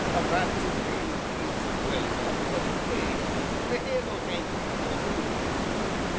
A rantin' reel pleases 'em well eneugh, but eh! they hae no hankerin' for the gude music."